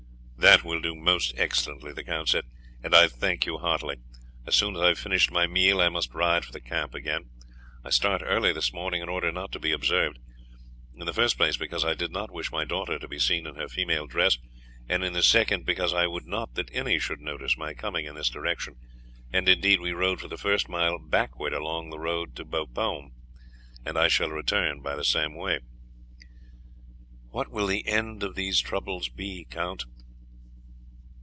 "That will do most excellently," the count said, "and I thank you heartily. As soon as I have finished my meal I must ride for the camp again. I started early this morning in order not to be observed; in the first place because I did not wish my daughter to be seen in her female dress, and in the second because I would not that any should notice my coming in this direction, and indeed we rode for the first mile backwards along the road to Bapaume, and I shall return by the same way." "What will the end of these troubles be, Count?"